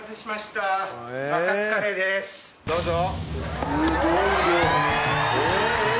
どうぞ。